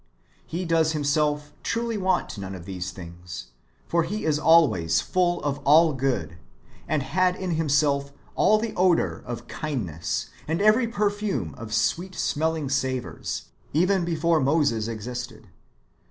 He does Himself truly want none of these things, for He is always full of all good, and had in Himself all the odour of kind ness, and every perfume of sweet smelling savours, even before Moses existed.